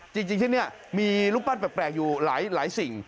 จริงที่นี่มีรูปปั้นแปลกอยู่หลายสิ่ง